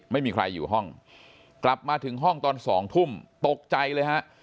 ไม่มีใครอยู่ห้องกลับมาถึงห้องตอน๒ทุ่มตกใจเลยฮะ